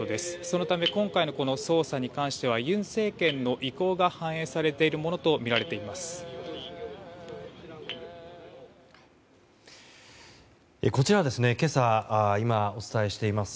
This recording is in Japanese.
そのため、今回の捜査に関しては尹政権の意向が反映されているものとみられています。